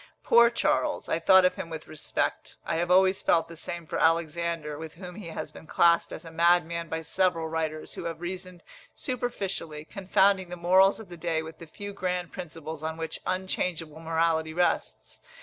Poor Charles! I thought of him with respect. I have always felt the same for Alexander, with whom he has been classed as a madman by several writers, who have reasoned superficially, confounding the morals of the day with the few grand principles on which unchangeable morality rests.